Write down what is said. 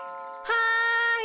はい。